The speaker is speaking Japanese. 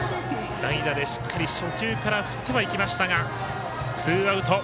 代打でしっかり初球から振ってはいきましたがツーアウト。